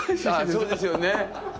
あっそうですよね。